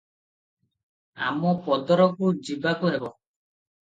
ଆମପଦରକୁ ଯିବାକୁ ହେବ ।